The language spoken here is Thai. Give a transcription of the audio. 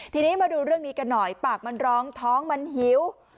ทีนี้มาดูเรื่องนี้กันหน่อยปากมันร้องท้องมันหิว